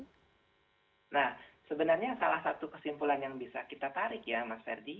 nah sebenarnya salah satu kesimpulan yang bisa kita tarik ya mas ferdi